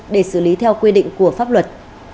để xử lý theo quy định của pháp luật